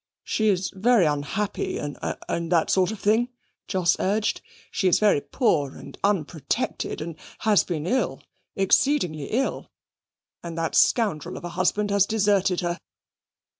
"She is very unhappy, and and that sort of thing," Jos urged. "She is very poor and unprotected, and has been ill exceedingly ill and that scoundrel of a husband has deserted her."